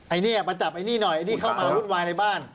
ไอ้เนี่ยมาจับไอ้นี่หน่อยไอ้นี่เข้ามาวุ่นวายในบ้าน